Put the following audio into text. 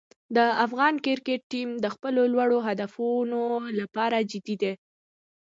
د افغان کرکټ ټیم د خپلو لوړو هدفونو لپاره جدي دی.